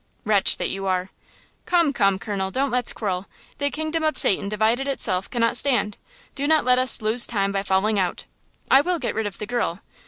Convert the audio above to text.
"Wretch that you are!" "Come, come, colonel, don't let's quarrel. The Kingdom of Satan divided against itself cannot stand. Do not let us lose time by falling out. I will get rid of the girl.